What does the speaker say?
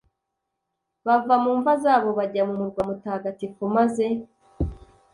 bava mu mva zabo bajya mu murwa mutagatifu maze